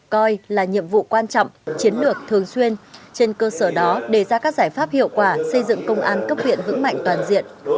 coi là nhiệm vụ quan trọng chiến lược thường xuyên trên cơ sở đó đề ra các giải pháp hiệu quả xây dựng công an cấp huyện vững mạnh toàn diện